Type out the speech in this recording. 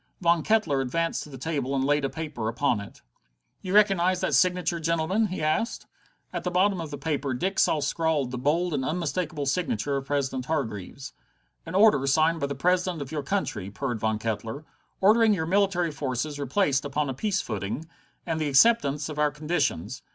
Von Kettler advanced to the table and laid a paper upon it. "You recognize that signature, gentlemen?" he asked. At the bottom of the paper Dick saw scrawled the bold and unmistakable signature of President Hargreaves. "An order signed by the President of your country," purred Von Kettler, "ordering your military forces replaced upon a peace footing, and the acceptance of our conditions.